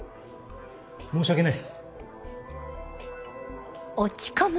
申し訳ない。